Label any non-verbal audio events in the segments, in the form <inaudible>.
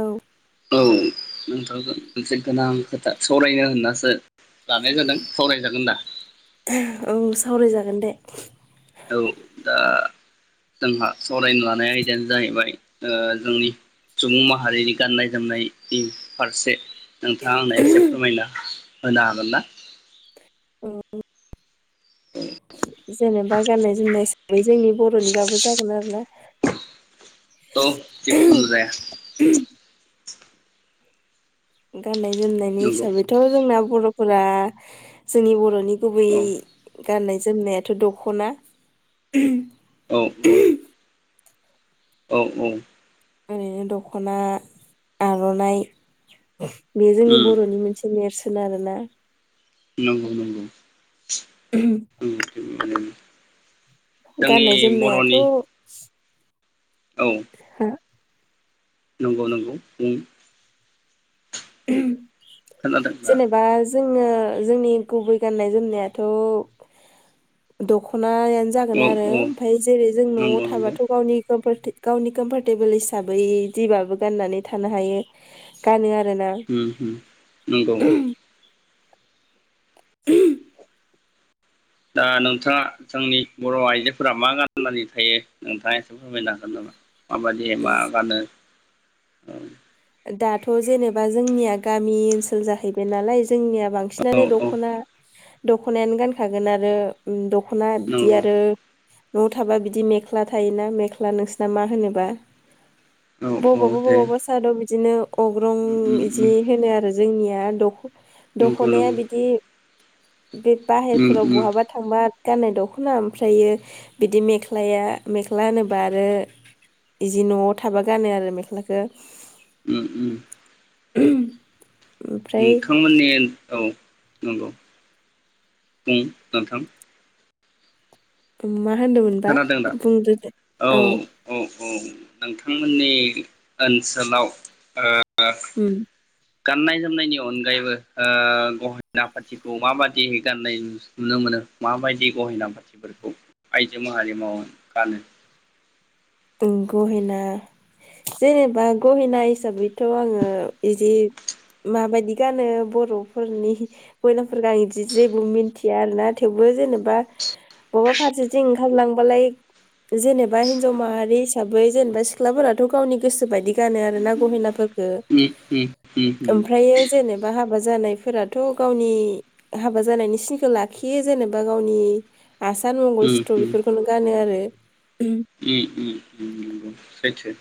औ औ नोंथांखौ मोनसे गोनां खोथा सावरायनो होननासो लानाय जादों सावरायजागोन दा औ सावरायजागोन दे औ दा जोंहा सावरायनो लानाय आयदायानो जाहैबाय ओ जोंनि सुबुं माहारिनि गाननाय जोमनायनि फारसे नोंथाङा आंनो एसे फोरमायना होनो हागोन ना औ औ जेनेबा गाननाय जोमनाय जोंनि बर'निबाबो जागोन आरो ना औ जे खुनु जाया गाननाय जोमनायनि नंगौ हिसाबैथ' जोंना बर'फोरा जोंनि बर'नि गुबै औ गाननाय जोमनायाथ' दख'ना <unintelligible> औ औ औ औ ओरैनो दख'ना आर'नाइ बेयो जोंनि उम बर'नि मोनसे नेरसोन आरोना नंगौ नंगौ ओम उम थिग बेबायदिनो जोंनि गाननाय जोमनायाथ' बर'नि औ <unintelligible> नंगौ नंगौ बुं ओम खोनादों दा जोङो जोंनि गुबै गाननाय जोमनायाथ' दख'ना नायानो जागोन औ आरो ओमफाय जेरै जों न'आव नंगौ नंगौ थाबाथ' गावनि गोबोर गावनि कम्फरटेबोल हिसाबै जिबाबो गाननानै थानो हायो गानो आरो ओम ओम नंगौ <unintelligible> दा नोंथाङा जोंनि बर' आइजोफोरा मा गाननानै थायो नोंथाङा एसे फोरमायनो हागोन नामा माबायदि मा गानो औ दाथ' जेनेबा जोंनिया गामि ओनसोल जाहैबाय नालाय जोंनिया औ बांसिनानो औ दख'ना दख'नायानो गानखागोन आरो ओ द दख'ना बिदि नंगौ आरो न'आव थाबा बिदि मेख्ला थायोना मेख्ला नोंसिना मा होनोबा औ औ बबावबा दे बबावबा सादर बि बिदिनो अग्रं उम उम बिदि उम होनो आरो जोंनिया दख नंगौ दख'नाया नंगौ बिदि। बे उम बाहेरफोराव उम बहाबा थांबाब। गाननाय दख'ना ओमफ्राय इयो बिदि मेख्लाया मेख्ला होनोबा आरो जि न'आव थाबा गानो आरो मेख्लाखो। ओम ओम। <unintelligible> <unintelligible> औ नंगौ बुं नोंथां। उम मा। होनदोमोनबा खोनादों दा बुंदोदे औ। औ नोंथांमोननि ओनसोलाव ओ। ओ। उम गाननाय जोमनायनि अनगायैबो ओ गहेना पाथिखौ माबादिहै गाननाय नुनो मोनो माबायदि गहेना पाथिफोरखौ। आयजो माहारि मावोन गानो। ओम गहेना जेनेबा गहेना हिसाबैथ' आंङो इजि माबादि गानो बर'फोरनि गहेनाफोरखो आं इदि जेबो मिथिया आरोना थेवबो जेनेबा बवाबा फारसेथिं ओंखारलांबालाय जेनेबा हिनजाव माहारि। हिसाबै जेनेबा सिख्लाफोराथ' गावनि गोसो बायदि गानो आरो ना गहेनाफोर। गो ओमफ्रायो जेनेबा हाबाज। जानायफोराथ' गावनि हाबा जानायनि सिनखो लाखियो जेनेबा गावनि। आसान मंगल सित्र बिफोरखोनो गानो आरो। कि ओम। नंगौ सैथो।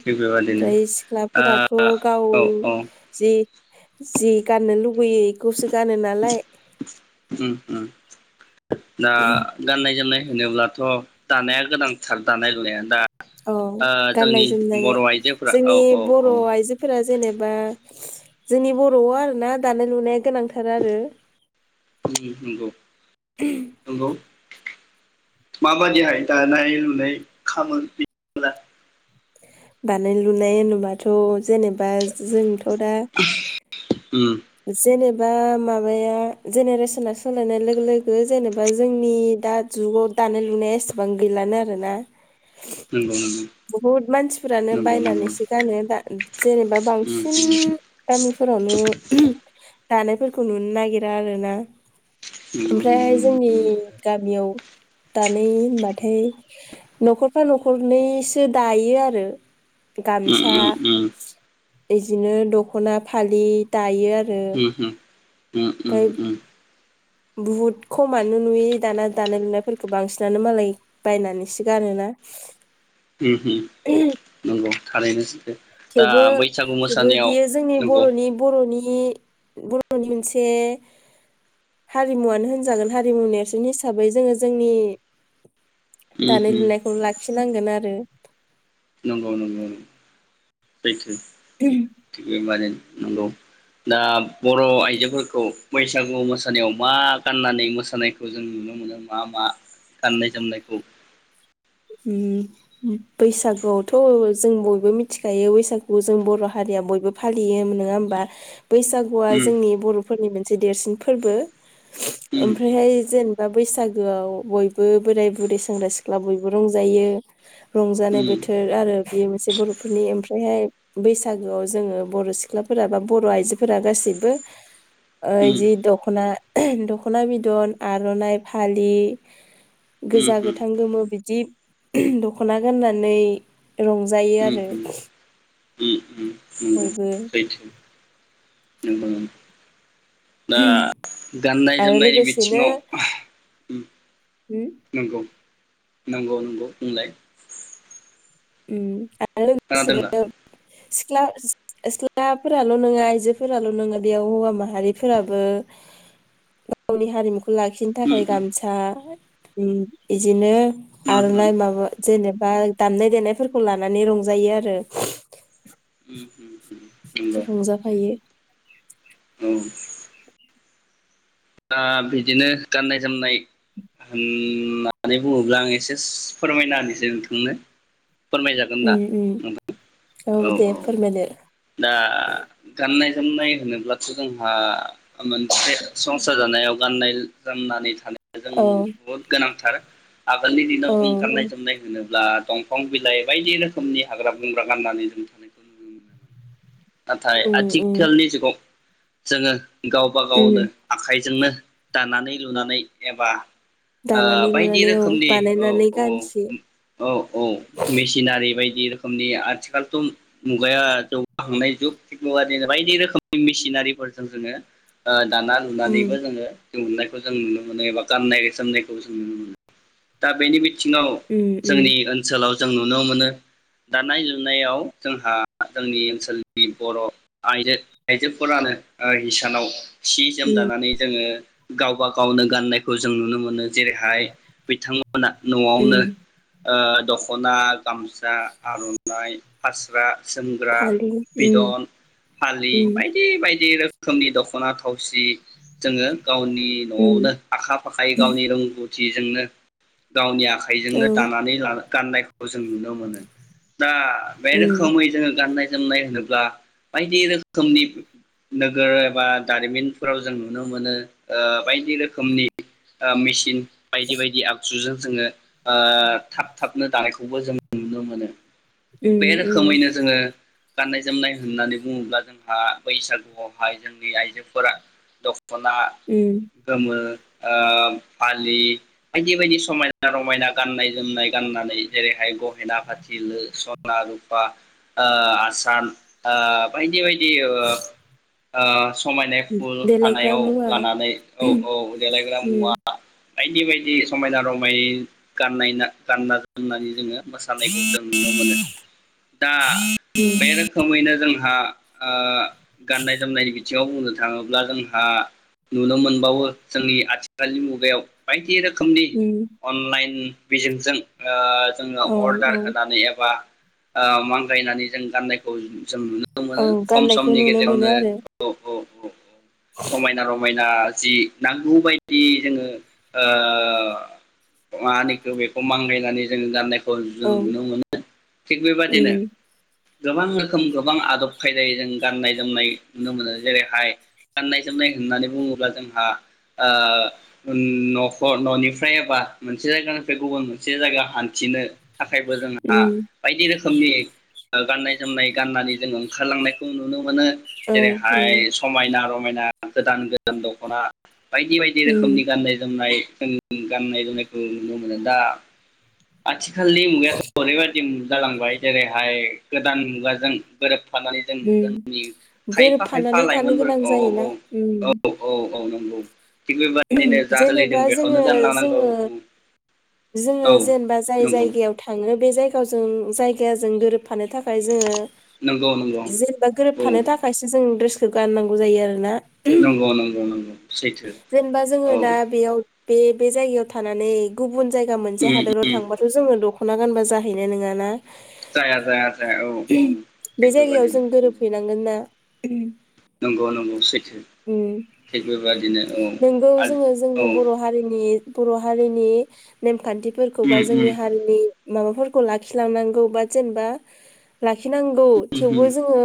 थिग बेबादिनो सिख्लाफोराथ' गाव औ औ जि। जि गाननो लुब। बैयो इखौसो गानो नालाय। <inaudible> उम उम दा गाननाय जोमनाय होनोब्लाथ' दानाया गोनांथार दानाय लुनाया दा। औ ओ गाननाय जोंनि जोमनाया बर' आइजोफोरा औ जोंनि औ बर औ आइजोफोरा जेनेबा। जोंनि बर'आ आरोना दानाय लुनाया गोनांथार आरो। नोंगौ नंगौ। माबादिहाय दानाय लुनाय खामो बित मोना। दानाय लुनाय होनोबाथ' जेनेबा जोंथ' दा। जेनेबा ओम। माबाया जेनेरेसना सोलायनाय लोगो लोगो जेनेबा जोंनि दा जुगाव दानाय लुनाया एसेबां गैलानो आरोना। नंगौ नंगौ बुहुद मानसिफोरानो नंगौ नंगौ बायनानैसो गानो दा जेनेबा बांसिन नंगौ गामिफोरावनो। <inaudible> दानायफोरखौ नुनो नागिरा आरो ना? ओमफ्राय जोंनि गामियाव दानाय होनबाथाय न'खरफ्रा न'खरनैसो दायो आरो। गामसा। बिदिनो दख'ना, फालि दायो। आरो उम होम। उम उम उम बहुद खमानो नुयो दाना दानाय लुनायफोरखौ बांसिनानो मालाय बायनानैसो गानोना। उम उम नंगौ। थारैनो सैथो। दा थेवबो बैसागु थेवबो मोसानायाव बियो जोंनि नंगौ बर'नि बर'नि बर'नि मोनसे हारिमुवानो होनजागोन हारिमु नेरसोन हिसाबै जोङो जोंनि दानाय लुनायखौ लाखिनांगोन आरो नंगौ नंगौै। थिग <unintelligible> माने। नंगौ दा बर' आइजोफोरखौ बैसागु मोसानायाव मा गाननानै मोसानायखौ जों नुनो मोनो मा मा गाननाय जोमनायखौ उम बैसागुआवथ' जों बयबो मिथिखायो बैसागुखौ जों बर' हारिया बयबो फालियो नङा होमबा? बैसागुआ जोंनि बर' फोरनि मोनसे देरसिन फोरबो नंगौ ओमफ्राहाय जेनेबा बैसागोआव बयबो बोराय बुरै सेंग्रा सिख्ला बय बो रंजायो रंजानाय बोथोर आरो बेयो मोनसे बर'फोरनि ओमफ्रायहाय बैसागोआव जोङो बर' सिख्लाफोरा बा बर' आइजोफोरा गासिबो ओइ जि दख'ना दख'ना बिदन आर'नाइ फालि गोजा, गोथां, गोमो बिदि दख'ना गाननानै रंजायो आरो। बयबो। सैथो नंगौ दा गाननाय आरो जोमनायनि लोगोसेनो बिथिङाव उम नंगौ। नंगौ नंगौ बुंलाय उम आ रो खोनादोंना <unintelligible> सिख्ला सिख्लाफोराल' नङा आइजोफोराल' नङा बेयाव हौवा माहारिफोराबो गावनि हारिमुखौ <unintelligible> लाखिनो उम थाखाय गामसा ओम इदिनो। उम आर'नाय उम माबा जेनेब बा दामनाय देनाय फोरखौ लानानै रंजायो आरो। उम होम रंजाफायो <inaudible> ओम दा बिदिनो गाननाय जोमनाय होननानै बुङोब्ला आं एसे फोरमायना होनोसै नोंथांनो फोरमायजागोन दा उम उम नोंथां औ दे औ फोरमायदो दा गाननाय होननाय होनोब्लाथ‌' जोंहा मोनसे संसार जानायाव गाननाय गाननानै थानो जों औ बहुद गोनांथार। आगोलनि दिनाव औ जों गाननाय जोमनाय होनोब्ला दंफां बिलाइ बायदि रोखोमनि हाग्रा बंग्रा गाननानै जों थानायखौ नुनो मोनो। नाथाय उम उम आथिखालनि जुगाव जोङो गावबा उम गावनो आखाइजोंनो दानानै लुनानै एबा ओ दानानै बायदि लुनानै औ रोखोमनि औ बानायनानै औ गानसै औ औ मेसिनारि बाय दि रोखोमनि आथिखालथ' मुगाया जौ खांनाय जुग <unintelligible> बायदि रोखोमनि मेसिनारिफोरजों जोङो ओ दाना उम लुनानैबो जोङो <unintelligible> जों नुनो मोनो एबा गाननाय जोमनायखौ जों नुनो मोनो दा बेनि बि थिङाव उम उम जोंनि ओनसोलाव जों नुनो मोनो दानाय लुनायाव जोंहा जोंनि ओनसो सोलनि बर' आइजो आइजोफोरानो ओ इसानाव सि जोम उम दानानै जोङो गावबा गावनो गाननायखौ जों नुनो मोनो जेरैहाय बिथां मोना‌ न'आवनो उम ओ दख'ना गामसा आर'नाइ फास्रा जोमग्रा फालि उम बिदन फालि उम बायदि बायदि बे रोखोमनि दखना थावसि जोङो गावनि न उम आवनो आखा फाखायै गावनि रोंगौ जिजोंनो गावनि औ आखाइजोंनो दानानै लानो गाननाय खौ जों नुनो मोनो दा बे उम रोखोमै जोंङो गाननाय जोमनाय होनोब्ला बायदि रोखोमनि नोगोर एबा दारिमिनफोराव जों नुनो मोनो ओ बायदि रोखोमनि ओ मिचिन बायदि बायदि आगजुजों जोंङो ओ थाब थाबनो दानायखौबो जों नुनो मोनो। उम बे उम रोखोमैनो जोंङो गाननाय जोमनाय होननानै बुङोब्ला जोंहा बैसागुआवहाय जोंनि आइजोफोरा दख खना उम गोमो ओ फालि बायदि बायदि समायना रमायना गाननाय जोमनाय गाननानै जेरैहाय गहेना फाथिल सना रुफा ओ आ सान ओ बायदि बायदि दि ओ ओ समायनाय फुल देलायग्रा खानायाव मुवा लानानै औ औ देलायग्रा मुवा उम बायदि बायदि समायना रमाय गाननायना गानना जोमनानै जोंङो मोसानायखौ जों नुनो मोनो दा बे उम रोखोमैनो जोंहा ओ गाननाय जोमनायनि बि थिङाव बुंनो थांङोब्ला जोंहा नुनो मोनबावो जोंनि आथिखालनि मुगायाव बायदि रोख खोमनि उम अनलाइन बिजोंजों ओ जोंङो औ अर्डार औ होनानै एबा ओ मांगायनानै जों गाननायखौ जों नु नो औ मोनो खम गाननायखौ समनि नुनो मोनो गेजेरावनो आरो <unintelligible> <inaudible> समायना रमाय दा जि नांगौ बायदि जोंङो ओ मा होनो इखौ बेखौ मांगायनानै जों गाननाय खौ जों औ नुनो मोनो थिग बेबादिनो उम गोबां रोखोम गोबां आदब खायदायै जों गाननाय जोमनाय नुनो मोनो जेरैहाय गाननाय जोमनाय होननानै बुंङोब्ला जोंहा ओ न'खर न'निफ्राय एबा मोनसे जायगानिफ्राय गुबुन मोनसे जायगा हान्थिनो थाखायबो जोंहा उम बायदि रोखोमनि गाननाय जोमनाय गाननानै जोंङो ओंखारलांनायखौ नुनो मो मोनो औ जेरैहाय उम समायना रमायना गोदान गोदान दख'ना बायदि बायदि उम रोखोमनि गाननाय जोमनाय जों गाननाय जोमनायखौ नुनो मोनो दा। आथि खालि मुगायाथ' हरैबायादि मुग जालांबाय जेरैहाय गोदान मुगाजों गोरोब फानानै जों उम जोंनि खायफा खायफा गोरोबफानानै थानो गोनां लाइमोनफोरखौ औ जायोना औ उम औ औ औ नंगौ। थिग बेबादिनो जा जेनेबा सोलिदों बेखौनो जोङो गानलांनांगौ जोङो जोङो औ जेनेबा जाय नंगौ जायगायाव थाङो बे जायगाजों जायगा जों गोरोब फानो थाखाय जोङो नंगौ नंगौ जेनेबा औ गोरोबफानो थाखायसो जों द्रेस गाननांगौ जायो आरो ना नंगौ नंगौ नंगौ सैथो जेनेबा जोङो औ दा बेयाव बे बे जायगायाव थानानै गुबुन जाय गा मोनसे उम हादोराव उम थांबाथ' जोङो दख खना गानबा जाहैनो नङाना? जाया जाया जाया औ औ थिग बे जायगायाव बेबायदि जों नोंगौ गोरोबहैनांगोन ना उम नंगौ नंगौ सैथो थिग बेबायदिनो नोंगौ जोङो जोंनि बर' हारिनि नि बर' हारिनि नेमखान्थि फोरखौबा उम उम जोंनि हारिनि माबाफोरखौ लाखिलांनांगौ बा जेनबा लाखिनांगौ उम थेवबो जोङो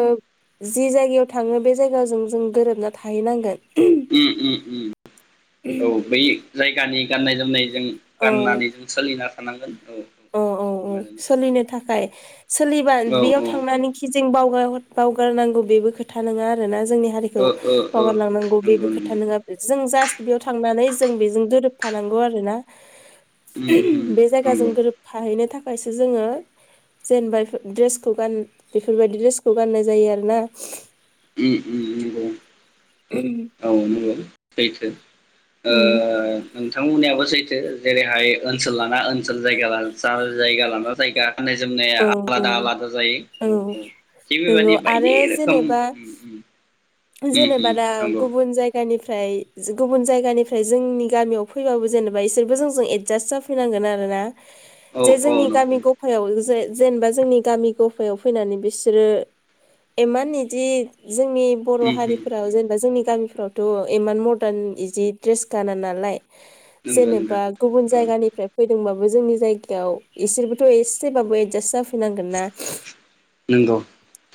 जि जायगायाव थाङो बे जायगाजों जों गोरोबना थाहैनांगोन। उम उम उम औ बै जायगानि गाननाय जोमनाय जों औ गाननानै जों सोलिना थानांगोन औ औ औ सोलिनो थाखाय। सोलिबा औ बेयाव थांनानै खि जों बाव। बा बावगार नांगौ बेबो खोथा नङा आरोना। जोंनि हारिखौ ओ ओ ओ बावगारलांनांगौ बेबो नंगौ खोथा नंगौ नङा जों जस। बेयाव थांनानै जों बेजों दोरोबफानांगौ आरो ना। उम उम ओम बे जायगाजों नंगौ गोरोब। थाखायसो थाखायसो जोङो जेनेबा इफो द्रेसखौ गान बेफोरबायदि ड्रेसखौ गाननाय जायो आरोना। ओम ओम नंगौ औ नंगौ सैथो। ओ उम जों। नोंथांमोननिबो सैथो जेरैहाय ओनसोल लाना ओनसोल जायगा ला जायगा लाना जायगा। गाननाय जोमनाया औ औ आलादा आलादा जायो औ औ थिग नंगौ बेबायदि बायदि आरो रोखोम। जेनेबा उम उम जेनेबा उम दा नंगौ गुबुन जायगानिफ ओमफ्राय जो गुबुन जायगानिफ्राय जोंनि गामियाव फैबाबो जेनेबा इसोरबो जोंजों एडजास्ट जाफैनांगोन आरो ना। औ जे औ जोंनि नंगौ गामि गफायाव जे। जेनेबा जोंनि गामि गफायाव फैनानै बिसोरो एमान बिदि जोंनि। बर' उम उम हारिफोराव जेनेबा जोंनि। गामिफ्रावथ' इमान मदार्न बिदि दड्रेस गाना नालाय। नंगौ नंगौ जेनेबा गुबुन औ जायगानिफ्राय फैदोंबाबो। जोंनि जायगायाव इसोरबोथ' एसेबाबो एदजास जाफै। नोंगौ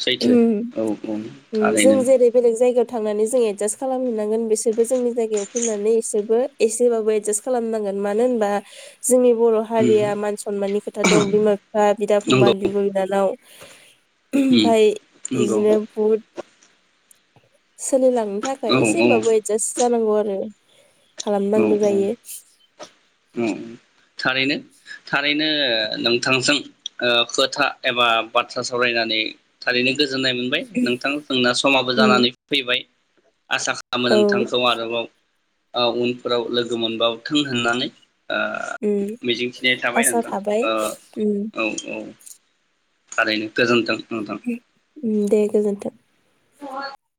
सैथो ना औ औ उम जों थारैनो। जेरै बेलेग जायगायाव थांनानै जों एडजास्ट खालामहैनांगोन बिसोरबो जोंनि जायगायाव फैनानै बिसोरबो एसेबाबो एदजास्ट खालामनांगोन मानो होनबा। जोंनि बर' उम हारिया मान सनमाननि खोथा दं बिमा बिफा बिदा नंगौ फंबाय बिब' बिनानाव। ओम उम ओमफाय नंगौ औ इदिनो बुट। सोलिलां। नो थाखाय औ एसेबाबो एदजास जानांगौ आरो। बे। औ खालामनांगो जायो। औ थारैनो थारैनो नोंथांजों खोथा एबा बाथ्रा सावरायनानै थारैनो गो। गोजोननाय मोनबाय नोंथां जोंना समाबो उम जानानै फैबाय। आसा खामो औ नोंथांखौ आरोबाव आ उन फोराव लोगो मोनबावथों होननानै ओ उम मिजिंथिनाय थाबाय आसा नोंथां थाबाय ओ उम औ औ। थारैनो गोजोन्थों नोंथां ओम दे। गोजोन्थों। <unintelligible>